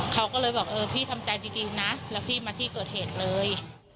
เขาก็เลยบอกเออพี่ทำใจจริงนะแล้วพี่มาที่เกิดเหตุเลย